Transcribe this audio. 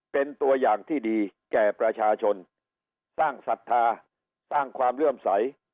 เป็นตัวอย่างที่ดีแก่ประชาชนสร้างศรัทธาสร้างความเลื่อมใส